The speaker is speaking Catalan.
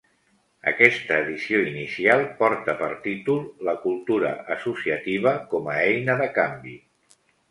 Aquesta edició inicial porta per títol La cultura associativa com a eina de canvi.